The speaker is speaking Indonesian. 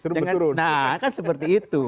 nah kan seperti itu